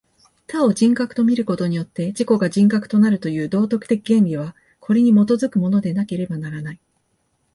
他を人格と見ることによって自己が人格となるという道徳的原理は、これに基づくものでなければならない。